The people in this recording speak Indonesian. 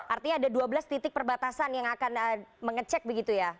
artinya ada dua belas titik perbatasan yang akan mengecek begitu ya